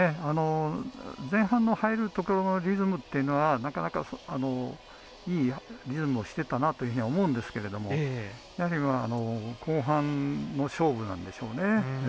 前半の入るところのリズムっていうのはなかなか、いいリズムをしてたなというふうに思うんですけれどもやはり後半の勝負なんでしょうね。